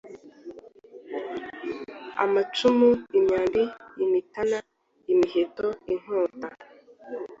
amacumu, imyambi, imitana, imiheto, inkota,